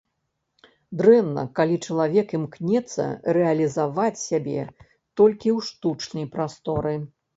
Дрэнна, калі чалавек імкнецца рэалізаваць сябе толькі ў штучнай прасторы.